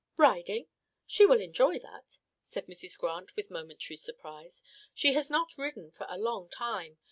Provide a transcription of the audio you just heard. "Riding? She will enjoy that," said Mrs. Grant, with momentary surprise. "She has not ridden for a long time.